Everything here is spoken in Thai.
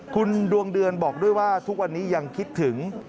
คุณดวงเดือนบอกด้วยว่าทุกวันนี้ยังคิดถึง